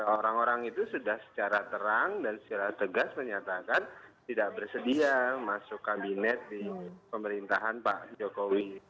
orang orang itu sudah secara terang dan secara tegas menyatakan tidak bersedia masuk kabinet di pemerintahan pak jokowi